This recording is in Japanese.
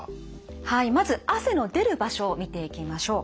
はいまず汗の出る場所を見ていきましょう。